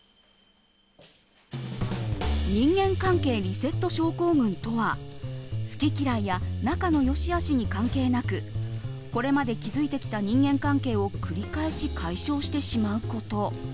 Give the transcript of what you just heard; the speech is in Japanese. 人間関係リセット症候群とは好き嫌いや仲の良しあしに関係なくこれまで築いてきた人間関係を繰り返し解消してしまうこと。